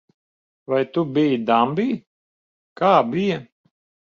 Vai tu biji dambī? Kā bija?